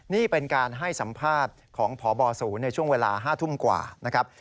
นี่เป็นการให้สัมภาษณ์ของพบศูนย์ในช่วงเวลา๕ทุ่มกว่านะครับ